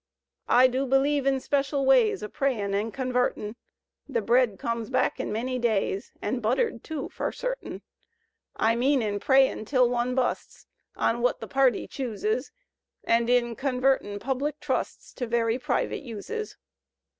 I du believe in special ways O' prayin' an' convartin'; . The bread comes back in many days. An' buttered, tu, fer sartin; Digitized by Google LOWELL 199 I mean in preyin' till one busts On wut the party chooses. An' in convartin' public trusts To very privit uses.